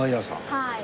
はい。